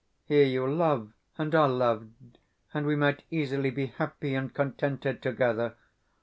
Here you love and are loved, and we might easily be happy and contented together.